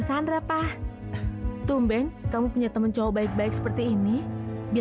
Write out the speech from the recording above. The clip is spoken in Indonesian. sampai jumpa di video selanjutnya